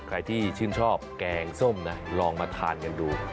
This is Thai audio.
ใครที่ชื่นชอบแกงส้มนะลองมาทานกันดู